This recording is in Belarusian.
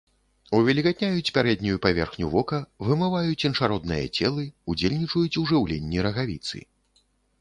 Увільгатняюць пярэднюю паверхню вока, вымываюць іншародныя целы, удзельнічаюць у жыўленні рагавіцы.